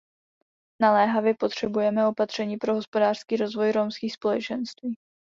Naléhavě potřebujeme opatření pro hospodářský rozvoj romských společenství.